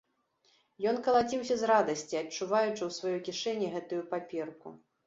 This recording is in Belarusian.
Ён калаціўся з радасці, адчуваючы ў сваёй кішэні гэтую паперку.